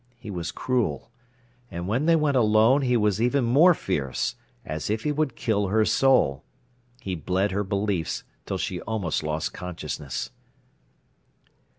He was cruel. And when they went alone he was even more fierce, as if he would kill her soul. He bled her beliefs till she almost lost consciousness.